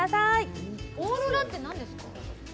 オーロラって何ですか？